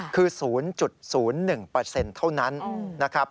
คือ๐๐๑เท่านั้นนะครับ